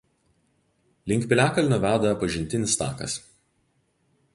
Link piliakalnio veda pažintinis takas.